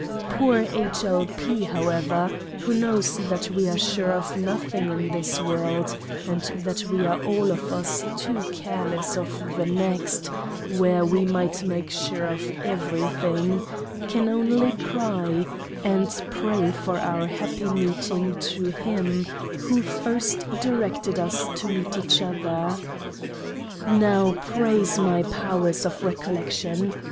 Poor H. L. P. however, who knows that we are sure of nothing in this world, and that we are all of us too careless of the next where we might make Sure of every thing ; can only cry ; and pray for our happy meeting to him who first directed us to meet each other. Now praise my Powers of Recollec tion.